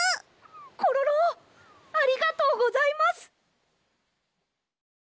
コロロありがとうございます。